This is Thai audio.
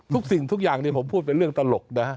สิ่งทุกอย่างที่ผมพูดเป็นเรื่องตลกนะฮะ